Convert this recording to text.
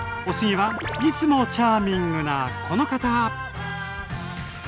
お次はいつもチャーミングなこの方！